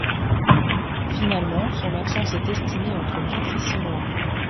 Finalement, son absence est estimée entre quatre et six mois.